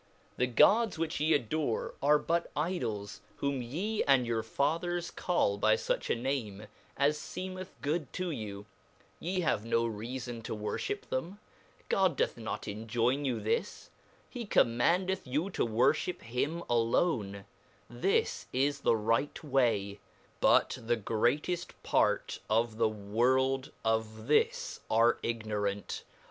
The gods which ye adore are but Idols, whom ye and your fathers call by fuch a name, as feem eth good to you, ye havs no reafpn to worlliip them; God doth notenjoyn you thisjhe commandeth you to vvorfhip him alone; this is the right way, but the greateft part of the world of this are ignorant.